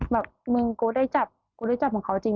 แบบมึงกูได้จับของเขาจริง